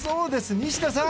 西田さん！